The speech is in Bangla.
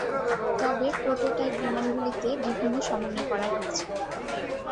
তবে, প্রোটোটাইপ বিমানগুলিতে বিভিন্ন সমন্বয় করা হয়েছিল।